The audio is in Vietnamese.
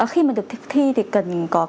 khi mà được thực thi thì cần nhớ là